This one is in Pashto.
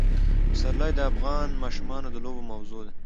پسرلی د افغان ماشومانو د لوبو موضوع ده.